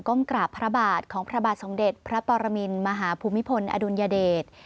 ้มกราบพระบาทของพระบาทสมเด็จพระปรมินมหาภูมิพลอดุลยเดช